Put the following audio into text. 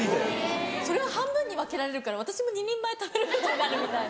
それを半分に分けられるから私も２人前食べることになるみたいな。